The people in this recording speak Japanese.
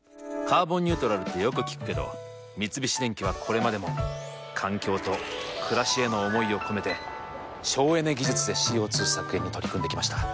「カーボンニュートラル」ってよく聞くけど三菱電機はこれまでも環境と暮らしへの思いを込めて省エネ技術でＣＯ２削減に取り組んできました。